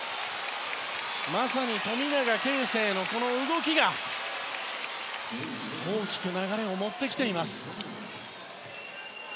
まさに富永啓生の動きが大きく流れを持ってきています。